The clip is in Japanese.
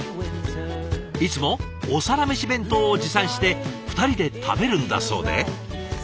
いつも「お皿メシ弁当」を持参して２人で食べるんだそうで。